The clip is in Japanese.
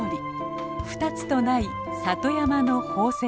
二つとない里山の宝石です。